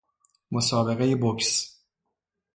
مسابقهی بوکس